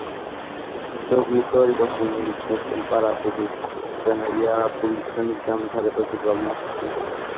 ზოგი ისტორიკოსი მიიჩნევს, რომ ყარაბაღული ცხენები არაბული ცხენის განვითარებაზე გავლენას ახდენდნენ.